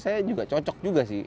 saya juga cocok juga sih